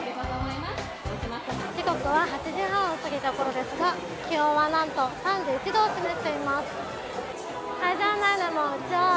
時刻は８時半を過ぎた頃ですが、気温はなんと３１度を示しています。